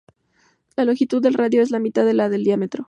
La longitud del radio es la mitad de la del diámetro.